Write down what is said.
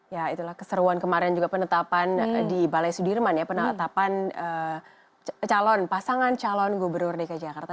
ya itulah keseruan kemarin juga penetapan di balai sudirman ya penetapan calon pasangan calon gubernur dki jakarta